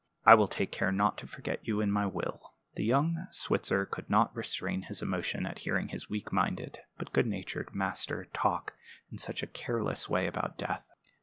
I will take care not to forget you in my will." The young Switzer could not restrain his emotion at hearing his weak minded but good natured master talk in such a careless way about death.